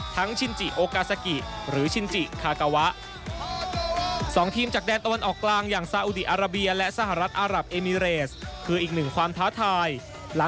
ชินจิโอกาซากิหรือชินจิคากาวะ